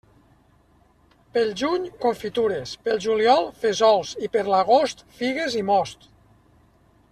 Pel juny, confitures, pel juliol, fesols i per a l'agost, figues i most.